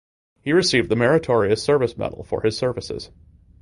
He received the Meritorious Service Medal for his services.